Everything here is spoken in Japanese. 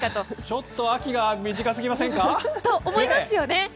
ちょっと秋が短すぎませんか。と、思いますよね。